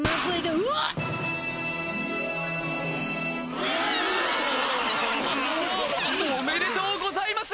うわ！おめでとうございます。